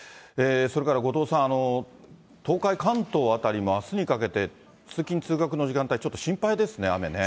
それから後藤さん、東海、関東辺りもあすにかけて、通勤・通学の時間帯、ちょっと心配ですね、雨ね。